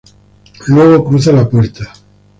Luego cruza la puerta.